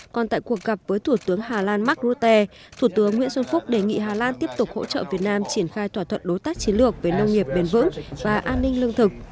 còn tại cuộc gặp với thủ tướng hà lan mark rutte thủ tướng nguyễn xuân phúc đề nghị hà lan tiếp tục hỗ trợ việt nam triển khai thỏa thuận đối tác chiến lược về nông nghiệp bền vững và an ninh lương thực